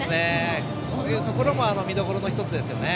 こういうところも見どころの１つですね。